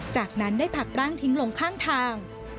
จากนั้นได้ผลักร่างทิ้งลงข้างทาง